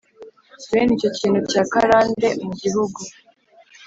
bene icyo kintu cy’akarande mu gihugu,